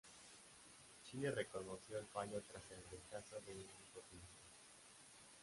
Chile reconoció el fallo tras el rechazo de una impugnación.